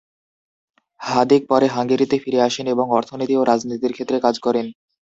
হাদিক পরে হাঙ্গেরিতে ফিরে আসেন এবং অর্থনীতি ও রাজনীতির ক্ষেত্রে কাজ করেন।